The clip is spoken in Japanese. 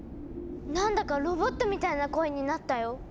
何だかロボットみたいな声になったよ。